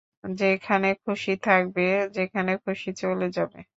যেখানে খুশী থাকবে, যেখানে খুশী চলে যাবে।